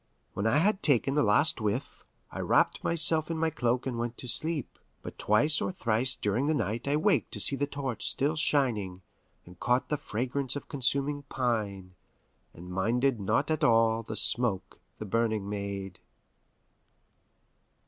When I had taken the last whiff, I wrapped myself in my cloak and went to sleep. But twice or thrice during the night I waked to see the torch still shining, and caught the fragrance of consuming pine, and minded not at all the smoke the burning made.